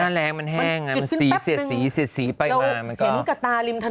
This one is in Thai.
หน้าแรงมันแห้งมันเสียดสีไปมามันก็ไฟลุกแล้ว